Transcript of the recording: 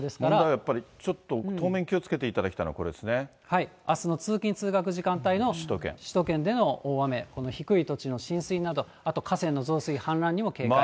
やっぱり、ちょっと当面気をつけていただきたいのは、これであすの通勤・通学時間帯の首都圏での大雨、低い土地での浸水など、あと河川の増水、氾濫にも警戒。